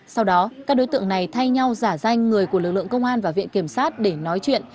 sau đó các đối tượng này thay nhau giả danh người của lực lượng công an và viện kiểm sát để nói chuyện